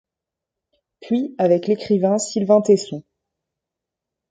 Puis avec l'écrivain Sylvain Tesson.